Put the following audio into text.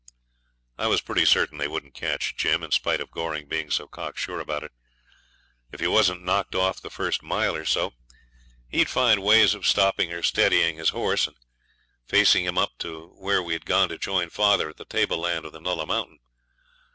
I was pretty certain they wouldn't catch Jim, in spite of Goring being so cocksure about it. If he wasn't knocked off the first mile or so, he'd find ways of stopping or steadying his horse, and facing him up to where we had gone to join father at the tableland of the Nulla Mountain.